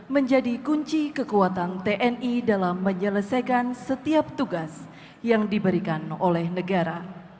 menjadi kunci kekuatan tni dalam menyelesaikan setiap tugas yang diberikan oleh negara